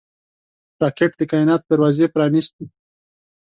راکټ د کائناتو دروازې پرانېستي